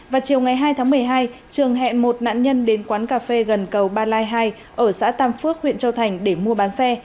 vào chiều ngày hai tháng một mươi hai trường hẹn một nạn nhân đến quán cà phê gần cầu ba lai hai ở xã tam phước huyện châu thành để mua bán xe